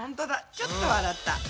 ちょっと笑った。